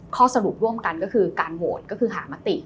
ข้อสรุปร่วมกันก็คือการโหวตก็คือหามติ